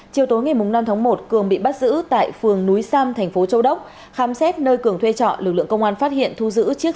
chiều tối ngày năm tháng một cường bị bắt giữ tại phường núi sam thành phố châu đốc